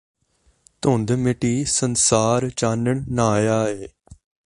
ਧੁੰਦ ਮਿਟੀ ਸੰਸਾਰ ਚਾਨਣ ਨ੍ਹਾਇਆ ਏ